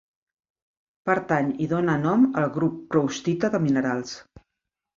Pertany i dóna nom al grup proustita de minerals.